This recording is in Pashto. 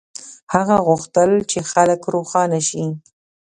هغه غوښتل چې خلک روښانه شي.